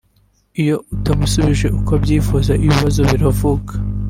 iyo utamusubije uko abyifuza ibibazo biravuka